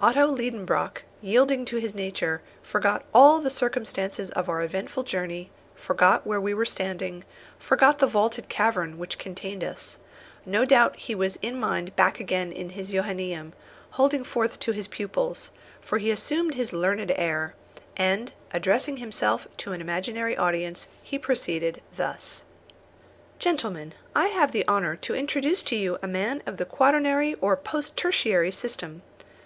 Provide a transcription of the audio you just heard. Otto Liedenbrock, yielding to his nature, forgot all the circumstances of our eventful journey, forgot where we were standing, forgot the vaulted cavern which contained us. No doubt he was in mind back again in his Johannæum, holding forth to his pupils, for he assumed his learned air; and addressing himself to an imaginary audience, he proceeded thus: "Gentlemen, I have the honour to introduce to you a man of the quaternary or post tertiary system.